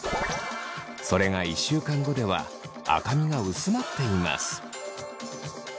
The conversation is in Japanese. それが１週間後では赤みが薄まっています。